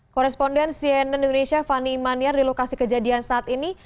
koresponden cnn indonesia fani maniar di lokasi kejadian saat ini